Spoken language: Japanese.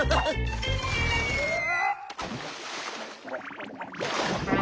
うわ！